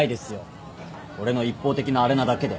俺の一方的なあれなだけで。